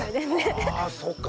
ああそっか。